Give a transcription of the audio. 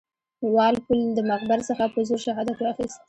وال پول د مخبر څخه په زور شهادت واخیست.